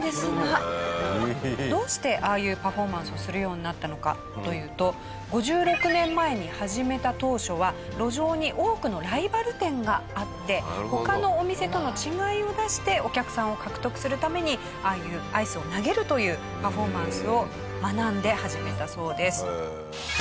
どうしてああいうパフォーマンスをするようになったのかというと５６年前に始めた当初は路上に多くのライバル店があって他のお店との違いを出してお客さんを獲得するためにああいうアイスを投げるというパフォーマンスを学んで始めたそうです。